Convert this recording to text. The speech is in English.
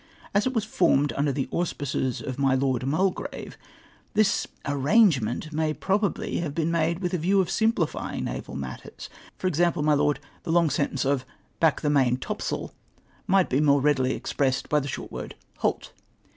As it was formed under the auspices of my Lord Mul grave, this arrangement may probably have been made with a view of simplifying naval matters. For example, my Lord, the long sentence of " bach the main topsail,'''' might be more readily expressed by the short word "halt!